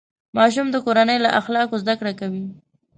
ماشوم د کورنۍ له اخلاقو زده کړه کوي.